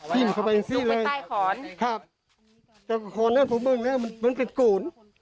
ทิ้งเข้าไปอีกสิล่ะสุกไปใต้ขอนครับแต่โคนนั้นพวกมึงเนี่ยมันเป็นกุ๋น